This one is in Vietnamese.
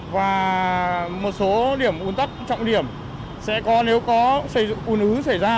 và một số điểm ung tắc trọng điểm sẽ có nếu có xây dựng ung ứng xảy ra